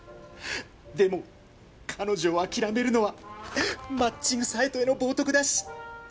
でも彼女を諦めるのはマッチングサイトへの冒涜だし。